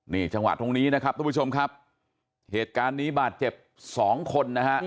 นี่จังหวะตรงนี้นะครับทุกผู้ชมครับเหตุการณ์นี้บาดเจ็บสองคนนะฮะ